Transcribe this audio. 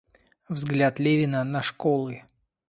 Взгляд Левина на школы.